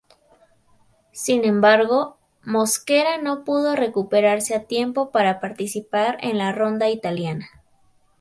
Sin embargo, Mosquera no pudo recuperarse a tiempo para participar en la ronda italiana.